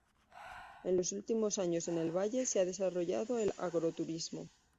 En los últimos años en el valle se ha desarrollado el agroturismo.